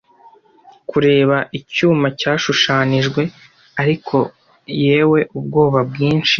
Kureka icyuma cyashushanijwe. Ariko, yewe, ubwoba bwinshi